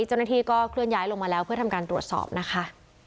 เจ้าหน้าที่ก็เคลื่อนย้ายลงมาแล้วเพื่อทำการตรวจสอบนะคะ